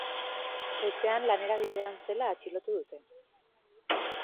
Goizean lanera bidean zela atxilotu dute.